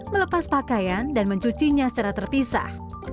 melepas pakaian dan mencucinya secara terpisah